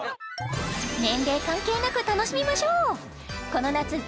年齢関係なく楽しみましょう！